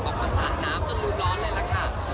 มาสาดน้ำจนรูดร้อนเลยล่ะค่ะ